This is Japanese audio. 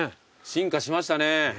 進化しましたね。